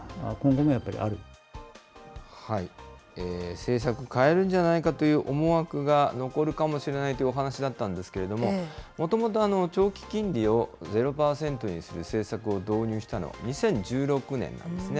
政策変えるんじゃないかという思惑が残るかもしれないというお話だったんですけれども、もともと長期金利をゼロ％にする政策を導入したのは２０１６年なんですね。